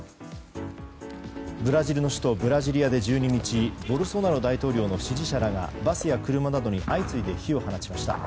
ブラジルの首都ブラジリアで１２日ボルソナロ大統領の支持者らがバスや車などに相次いで火を放ちました。